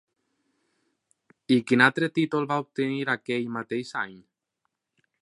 I quin altre títol va obtenir aquell mateix any?